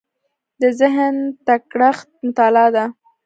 د ذهن تکړښت مطالعه ده.